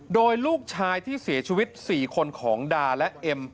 โดยลูกชายที่เสียชีวิต๔คนของดาและเอ็ม